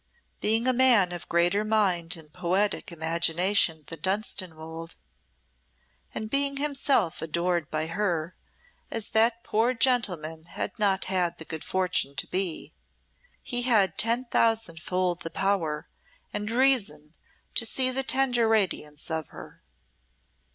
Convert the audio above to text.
Being a man of greater mind and poetic imagination than Dunstanwolde, and being himself adored by her, as that poor gentleman had not had the good fortune to be, he had ten thousand fold the power and reason to see the tender radiance of her.